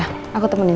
aku aku temenin